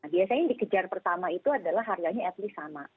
biasanya yang dikejar pertama itu adalah harganya at least sama